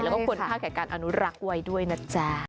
แล้วก็ควรค่าแก่การอนุรักษ์ไว้ด้วยนะจ๊ะ